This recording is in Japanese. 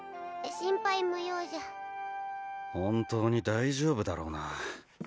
心配無用じゃ本当に大丈夫だろうな？